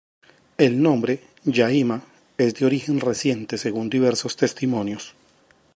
El nombre "Llaima" es de origen reciente, según diversos testimonios.